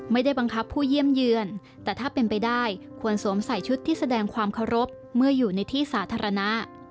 ไม่ได้บังคับผู้เยี่ยมเยือนแต่ถ้าเป็นไปได้ควรสวมใส่ชุดที่แสดงความเคารพเมื่ออยู่ในที่สาธารณะ